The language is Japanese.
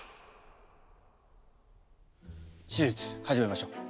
手術始めましょう。